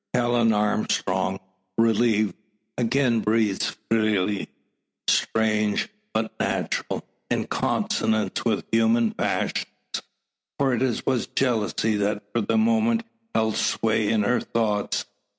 Helen Armstrong, relieved, again breathes freely. Strange, but natural; in consonance with human passions. For it was jealousy that for the moment held sway in her thoughts.